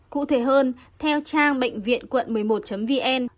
cụ thể hơn theo trang bệnh viện quận một mươi một vn